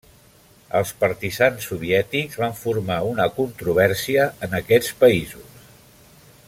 Els partisans soviètics van formar una controvèrsia en aquests països.